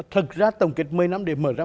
thực ra tổng kết một mươi năm để mở ra